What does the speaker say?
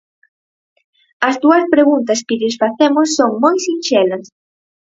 As dúas preguntas que lles facemos son moi sinxelas.